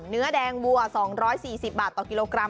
เนื้อแดงวัว๒๔๐บาทต่อกิโลกรัม